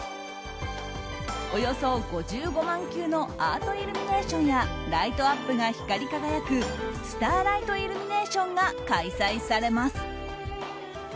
およそ５５万球のアートイルミネーションやライトアップが光り輝くスターライトイルミネーションが開催されます。